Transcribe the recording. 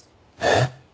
えっ？